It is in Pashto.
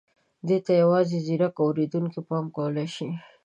دې ته یوازې ځيرک اورېدونکي پام کولای شي.